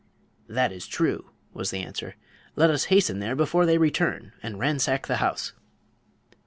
"That is true," was the answer. "Let us hasten there before they return and ransack the house."